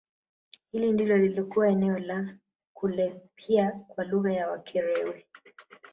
Hili ndilo lilikuwa eneo la Kulebhiya kwa lugha ya Wakerewe